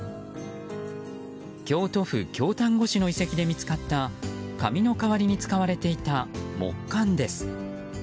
京都府京丹後市の遺跡で見つかった紙の代わりに使われていた木簡です。